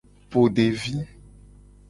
Po devi.